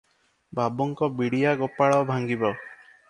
ବାବୁଙ୍କ ବିଡ଼ିଆ ଗୋପାଳ ଭାଙ୍ଗିବ ।